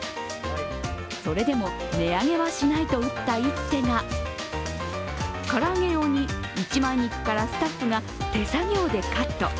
それでも値上げはしないと打った一手が、唐揚げ用に一枚肉からスタッフが手作業でカット。